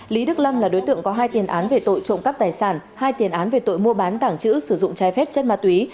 lý đức lâm là đối tượng có hai tiền án về tội trộm cắp tài sản hai tiền án về tội mua bán tảng chữ sử dụng trái phép chất ma túy